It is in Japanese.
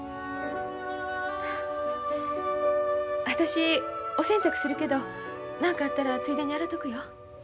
私お洗濯するけど何かあったらついでに洗とくよ。